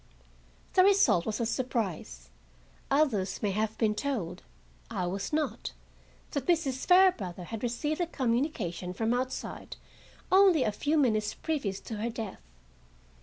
The result was a surprise. Others may have been told, I was not, that Mrs. Fairbrother had received a communication from outside only a few minutes previous to her death.